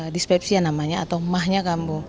dispepsia namanya atau emahnya kamu